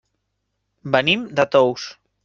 Venim de Tous.